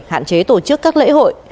hạn chế tổ chức các lễ hội